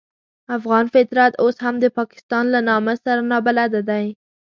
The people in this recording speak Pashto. افغان فطرت اوس هم د پاکستان له نامه سره نابلده دی.